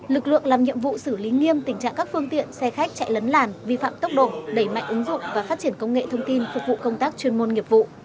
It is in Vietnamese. lực lượng làm nhiệm vụ xử lý nghiêm tình trạng các phương tiện xe khách chạy lấn làn vi phạm tốc độ đẩy mạnh ứng dụng và phát triển công nghệ thông tin phục vụ công tác chuyên môn nghiệp vụ